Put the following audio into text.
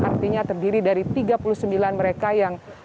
artinya terdiri dari tiga puluh sembilan mereka yang